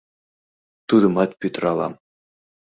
Тудымат пӱтыралам!